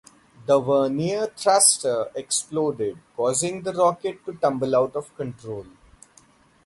The vernier thruster exploded, causing the rocket to tumble out of control.